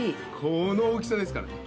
この大きさですからね。